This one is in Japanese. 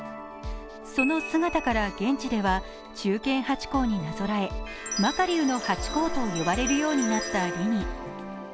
その姿から、現地では忠犬ハチ公になぞらえマカリウのハチ公と呼ばれるようになったリニ。